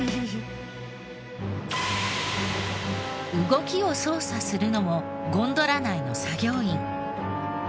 動きを操作するのもゴンドラ内の作業員。